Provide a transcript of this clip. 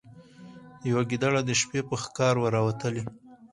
یو ګیدړ د شپې په ښکار وو راوتلی